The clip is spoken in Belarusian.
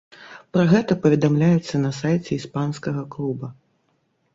Пра гэта паведамляецца на сайце іспанскага клуба.